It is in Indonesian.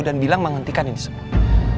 dan bilang menghentikan ini semua